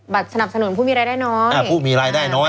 บัตรสนับสนุนผู้มีรายได้น้อย